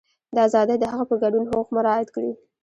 د ازادۍ د حق په ګډون حقوق مراعات کړي.